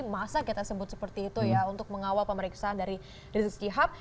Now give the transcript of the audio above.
masa kita sebut seperti itu ya untuk mengawal pemeriksaan dari rizik syihab